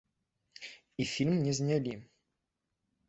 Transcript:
І фільм не знялі.